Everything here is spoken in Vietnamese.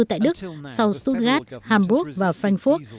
tại đức sau stuttgart hamburg và frankfurt